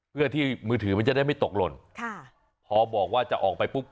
เพื่อที่มือถือมันจะได้ไม่ตกหล่นค่ะพอบอกว่าจะออกไปปุ๊บ